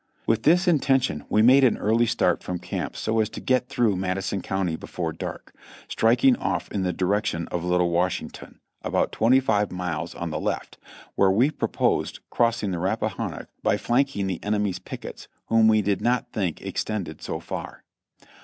With this intention we made an early start from camp so as to get through Madison County before dark, striking off in the direction of Little Washington, about twenty five miles on the left, where we proposed crossing the Rappahannock by flanking the enemy's pickets, whom we did not think extended so far.